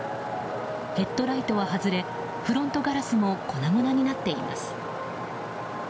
ヘッドライトは外れフロントガラスも粉々になっています。